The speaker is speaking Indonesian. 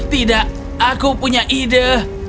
tidak aku punya ide